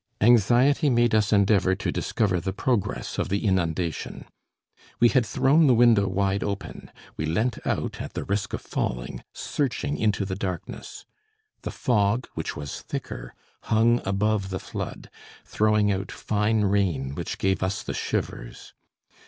Anxiety made us endeavour to discover the progress of the inundation. We had thrown the window wide open, we leant out at the risk of falling, searching into the darkness. The fog, which was thicker, hung above the flood, throwing out fine rain which gave us the shivers.